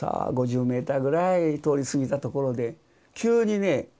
５０メーターぐらい通り過ぎたところで急にね